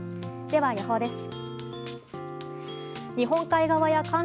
では予報です。